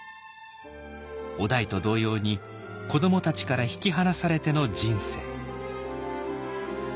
於大と同様に子どもたちから引き離されての人生。